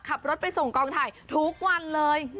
ขับรถไปส่งกองถ่ายทุกวันเลย